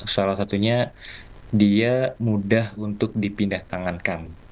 salah satunya dia mudah untuk dipindah tangankan